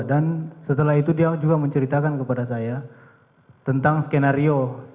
dan setelah itu dia juga menceritakan kepada saya tentang skenario